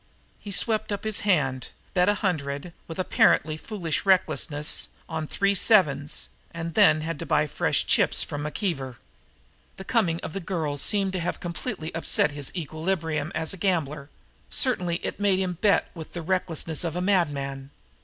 He swept up his hand, bet a hundred, with apparently foolish recklessness, on three sevens, and then had to buy fresh chips from McKeever. The coming of the girl seemed to have completely upset his equilibrium as a gambler certainly it made him bet with the recklessness of a madman.